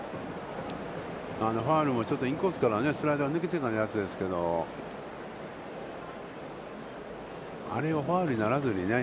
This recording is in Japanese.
ファウルもちょっとインコースから、スライダー抜けてたやつですけど、あれをファウルにならずにね。